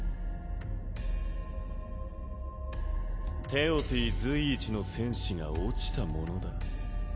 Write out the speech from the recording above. テオティ随一の戦士が落ちたものだ。